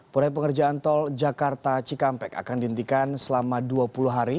proyek pengerjaan tol jakarta cikampek akan dihentikan selama dua puluh hari